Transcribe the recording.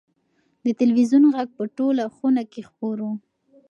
د تلویزون غږ په ټوله خونه کې خپور و.